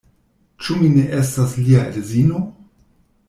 Ĉu mi ne estas lia edzino?